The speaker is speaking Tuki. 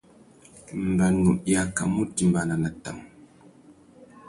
Mbanu i akamú utimbāna nà tang.